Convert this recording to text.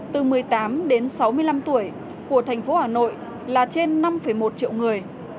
từ một mươi tám đến sáu mươi năm tuổi của thành phố hà nội là trên năm một triệu người